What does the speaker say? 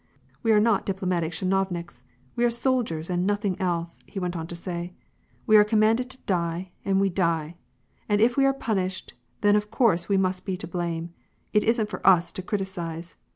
* "We are not diplomatic chinovniks, we are soldiers and nothing else," he went on to say. " We are commanded to die, and we die. And if we are punished, then of course we must be to blame ; it isn't for us to criticise.